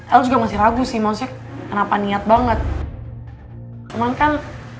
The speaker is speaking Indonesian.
aku juga masih ragu sih maksudnya kenapa niat banget cuman kan